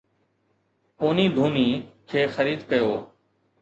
پوني ڌوني کي خريد ڪيو